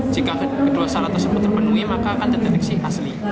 jika kedua salah tersebut terpenuhi maka akan dideteksi asli